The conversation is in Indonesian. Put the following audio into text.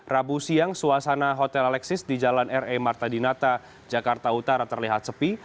rabu siang suasana hotel alexis di jalan re marta dinata jakarta utara terlihat sepi